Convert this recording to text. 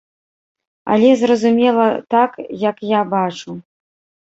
Але, зразумела, так, як я бачу.